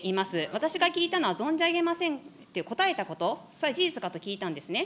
私が聞いたのは、存じ上げませんって答えたこと、それは事実かと聞いたんですね。